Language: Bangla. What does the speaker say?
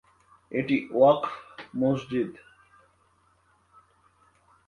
এটি ওয়াকফ মসজিদ।